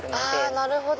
なるほど。